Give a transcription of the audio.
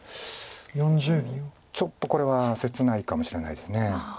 うんちょっとこれは切ないかもしれないです。